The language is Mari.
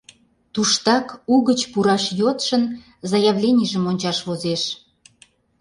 Туштак угыч пураш йодшын заявленийжым ончаш возеш.